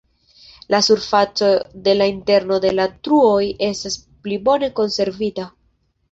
La surfaco de la interno de la truoj estas pli bone konservita.